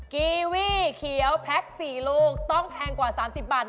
กีวี่เขียวแพ็ค๔ลูกต้องแพงกว่า๓๐บาท